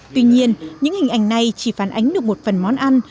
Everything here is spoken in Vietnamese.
tuy nhiên những hình ảnh này chỉ phản ánh được một phần món ăn